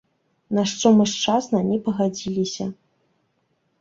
На што мы шчасна не пагадзіліся.